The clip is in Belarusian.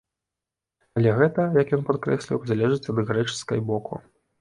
Але гэта, як ён падкрэсліў, залежыць ад грэчаскай боку.